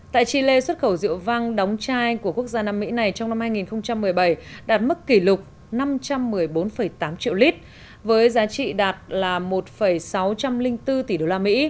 tại chile xuất khẩu rượu vang đóng chai của quốc gia nam mỹ này trong năm hai nghìn một mươi bảy đạt mức kỷ lục năm trăm một mươi bốn tám triệu lít với giá trị đạt một sáu trăm linh bốn tỷ đô la mỹ